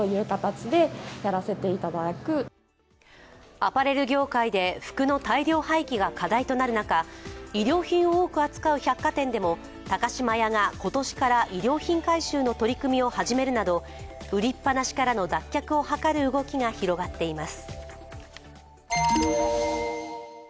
アパレル業界で服の大量廃棄が課題となる中、医療品を多く扱う百貨店でも高島屋が今年から衣料品回収の取り組みを始めるなど、売りっぱなしからの脱却を図る動きが広がっています。